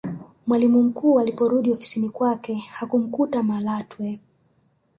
mwalimu mkuu aliporudi ofisini kwake hakumkuta malatwe